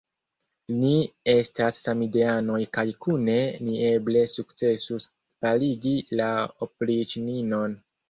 Ni estas samideanoj kaj kune ni eble sukcesus faligi la opriĉninon.